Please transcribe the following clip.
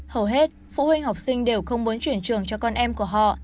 hầu hết phụ huynh học sinh đều không muốn chuyển trường cho con em của họ